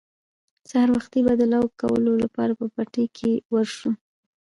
سهار وختي به د لو کولو لپاره به پټي ته ور شو.